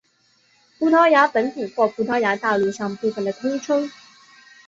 葡萄牙本土或葡萄牙大陆上部分的通称。